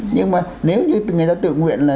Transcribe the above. nhưng mà nếu như người ta tự nguyện là